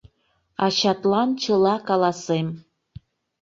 Ачатлан чыла каласем!